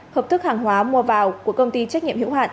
hợp thức hàng hóa mua vào của công ty trách nhiệm hữu hạn